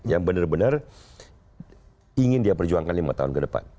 yang benar benar ingin dia perjuangkan lima tahun ke depan